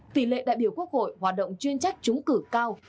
tỷ lệ đại biểu quốc hội hoạt động chuyên trách trúng cử cao